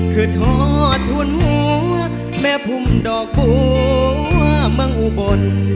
คือทอทุนหัวแม่พุ่มดอกบัวเมืองอุบล